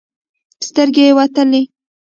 سترګې يې وتلې.